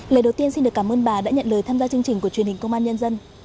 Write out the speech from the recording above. lời đầu tiên xin được cảm ơn bà đã nhận lời tham gia chương trình của truyền hình công an nhân dân